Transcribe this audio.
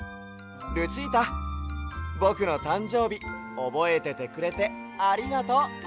ルチータぼくのたんじょうびおぼえててくれてありがとう！